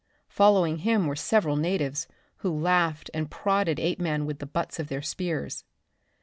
Following him were several natives, who laughed and prodded Apeman with the butts of their spears.